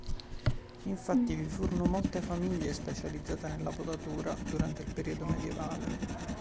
Infatti vi furono molte famiglie specializzate nella potatura, durante il periodo medievale.